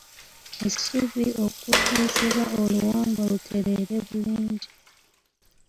Essubi okutuuzibwa oluwombo lutereere bulungi.